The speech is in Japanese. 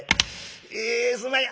「えすんまへん。